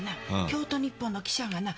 京都日報の記者がな